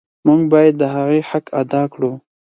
موږ باید د هغې حق ادا کړو.